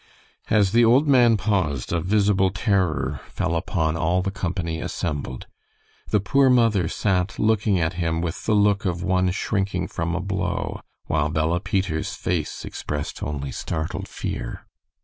As the old man paused, a visible terror fell upon all the company assembled. The poor mother sat looking at him with the look of one shrinking from a blow, while Bella Peter's face expressed only startled fear.